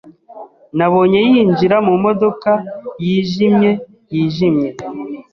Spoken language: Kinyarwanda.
Nabonye yinjira mu modoka yijimye yijimye.